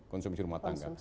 konsumsi rumah tangga